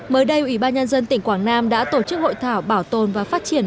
mới đây ủy ban nhân dân tỉnh quảng nam đã tổ chức hội thảo bảo tồn và phát triển